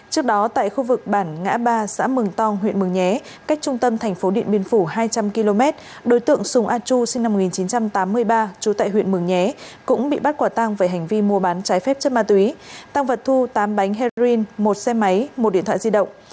trước đó tại khu vực bản ngã ba xã mường tong huyện mường nhé cách trung tâm thành phố điện biên phủ hai trăm linh km đối tượng sùng a chu sinh năm một nghìn chín trăm tám mươi ba trú tại huyện mường nhé cũng bị bắt quả tang về hành vi mua bán trái phép chất ma túy tăng vật thu tám bánh heroin một xe máy một điện thoại di động